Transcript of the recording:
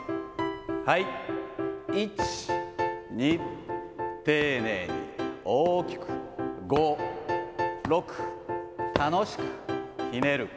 はい、１、２、丁寧に、大きく、５、６、楽しく、ひねる。